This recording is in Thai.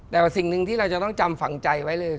แต่ว่าสิ่งหนึ่งที่เราจะต้องจำฝังใจไว้เลย